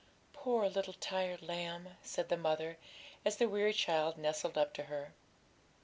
'Poor little tired lamb!' said the mother, as the weary child nestled up to her.